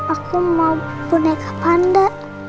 aku mau boneka panda